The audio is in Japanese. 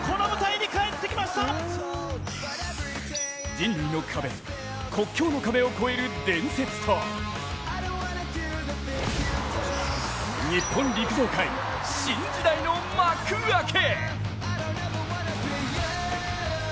人類の壁、国境の壁を越える伝説と日本陸上界、新時代の幕開け。